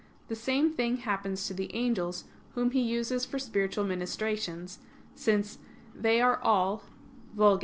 The same thing happens to the angels, whom He uses for spiritual ministrations"; since "they are all [*Vulg.